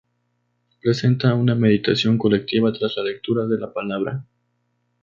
Representa una meditación colectiva tras la lectura de la Palabra.